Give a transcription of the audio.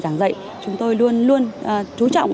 giảng dạy chúng tôi luôn luôn chú trọng